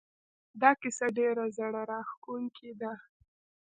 دا کیسه ډېره زړه راښکونکې ده